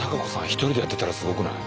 一人でやってたらすごくない？